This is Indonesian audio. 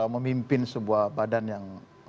memimpin sebuah badan yang